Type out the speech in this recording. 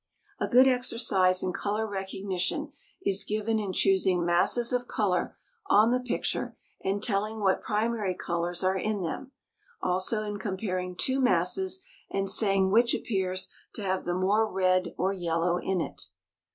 A good exercise in color recognition is given in choosing masses of color on the picture and telling what primary colors are in them; also in comparing two masses and saying which appears to have the more red or yellow in it.